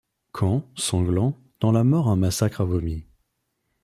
Quand, sanglant, dans la mort un massacre â vomi